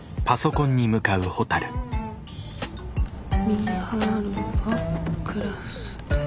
美晴はクラスで。